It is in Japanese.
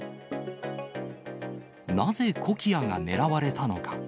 なぜ、コキアが狙われたのか。